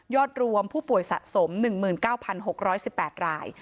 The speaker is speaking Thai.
รวมผู้ป่วยสะสม๑๙๖๑๘ราย